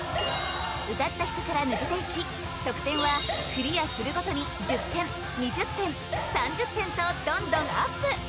歌った人から抜けていき得点はクリアするごとに１０点２０点３０点とどんどんアップ